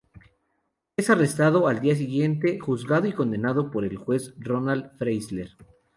Es arrestado al día siguiente, juzgado y condenado por el juez Roland Freisler.